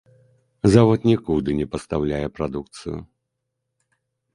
Завод нікуды не пастаўляе прадукцыю.